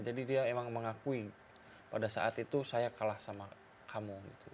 jadi dia emang mengakui pada saat itu saya kalah sama kamu gitu